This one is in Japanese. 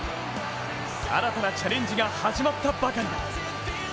新たなチャレンジが始まったばかりだ。